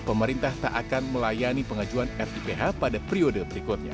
pemerintah tak akan melayani pengajuan tiph pada periode berikutnya